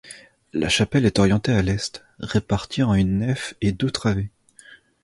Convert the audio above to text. La chapelle est orientée à l'est, répartie en une nef et deux travées.